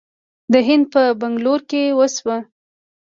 د هند په بنګلور کې وشوه